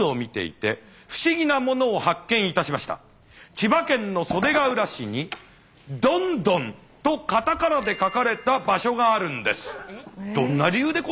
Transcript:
千葉県の袖ケ浦市にドンドンとカタカナで書かれた場所があるんです。